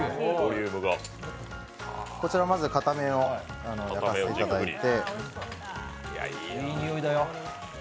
こちら、まず片面を焼かせていただいて。